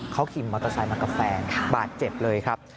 เขาขี่มอเตอร์ไซค์มากับแฟนบาดเจ็บเลยครับ